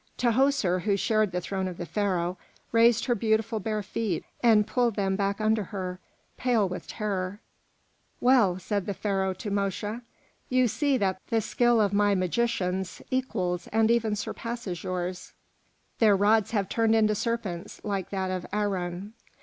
Tahoser, who shared the throne of the Pharaoh, raised her beautiful bare feet and pulled them back under her, pale with terror. "Well," said the Pharaoh to Mosche, "you see that the skill of my magicians equals, and even surpasses yours; their rods have turned into serpents like that of Aharon.